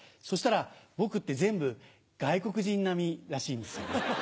そしたら僕って全部外国人並みらしいんです。